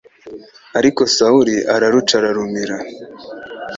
Ariko Sawuli araruca ararumira